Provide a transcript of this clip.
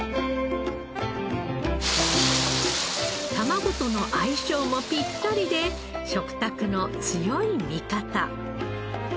卵との相性もぴったりで食卓の強い味方。